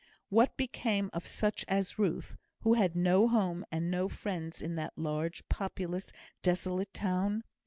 What became of such as Ruth, who had no home and no friends in that large, populous, desolate town?